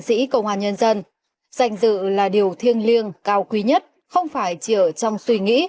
sĩ công an nhân dân danh dự là điều thiêng liêng cao quý nhất không phải chỉ ở trong suy nghĩ